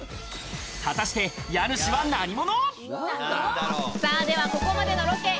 果たして家主は何者？